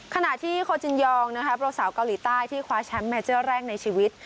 ขณะที่โคจินยองนะคะโปรสาวเกาหลีใต้ที่คว้าแชมป์เมเจอร์แรกในชีวิต